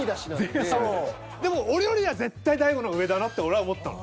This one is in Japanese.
でも俺よりは絶対大悟の方が上だなって俺は思ったの。